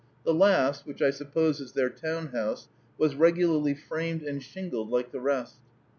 The last, which I suppose is their town house, was regularly framed and shingled like the rest.